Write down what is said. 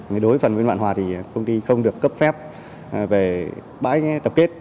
đối với phần nguyễn vạn hòa thì công ty không được cấp phép về bãi tập kết